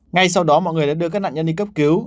ngay sau đó mọi người đã đưa các nạn nhân đi cấp cứu